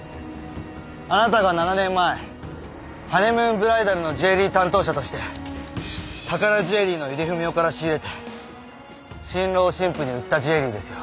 あなたが７年前ハネムーンブライダルのジュエリー担当者として宝ジュエリーの井出文雄から仕入れて新郎新婦に売ったジュエリーですよ。